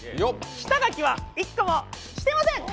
下書きは一個もしてません！